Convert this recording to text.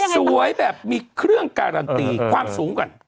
แบบมีเครื่องการันตีความสูงก่อน